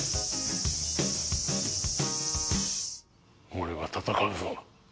俺は戦うぞ！